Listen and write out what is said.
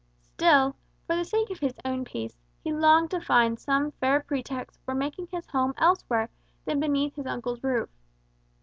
Still, for the sake of his own peace, he longed to find some fair pretext for making his home elsewhere than beneath his uncle's roof.